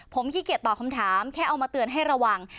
ผมขี้เกียจตอบคำถามแค่เอามาเตือนให้ระวัง